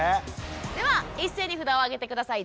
では一斉に札をあげて下さい。